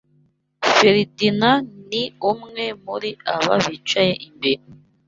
Feredina ni umwe muri aba bicaye imbere